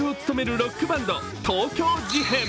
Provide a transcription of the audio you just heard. ロックバンド、東京事変。